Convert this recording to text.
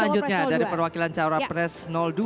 selanjutnya dari perwakilan cawapres dua